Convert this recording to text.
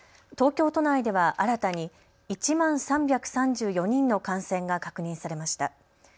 東京都内では新たに１万３３４人の感染が確認されました。